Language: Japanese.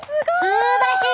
すばらしい！